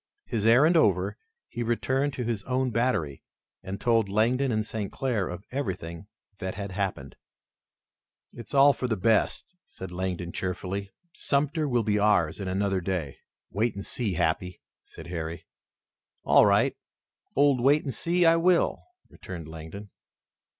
His errand over, he returned to his own battery and told Langdon and St. Clair of everything that had happened. "It's all for the best," said Langdon cheerfully. "Sumter will be ours in another day." "Wait and see, Happy," said Harry. "All right, old Wait and See, I will," returned Langdon.